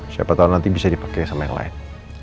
siapa tahu nanti bisa dipakai sama yang lain